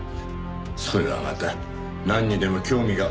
それはまたなんにでも興味がおありで。